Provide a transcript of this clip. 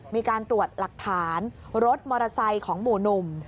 มีการตรวจหลักฐานรถมอเตอร์ไซค์ของหมู่หนุ่ม